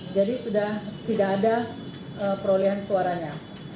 jadi sudah tidak ada perolehan suaranya